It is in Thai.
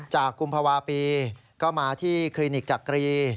กุมภาวะปีก็มาที่คลินิกจักรี